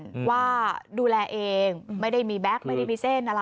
ถึงยันว่าดูแลเอกไม่ได้มีแบ็คไม่ได้มีเส้นอะไร